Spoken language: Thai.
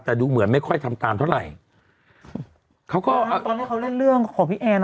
แต่ดูเหมือนไม่ค่อยทำตามเท่าไหร่เขาก็ตอนที่เขาเล่นเรื่องของพี่แอน